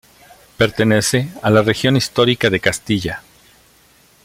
Pertenece a la región histórica de Castilla.